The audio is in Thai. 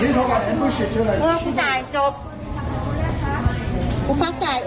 ฉันจ่ายเองจบ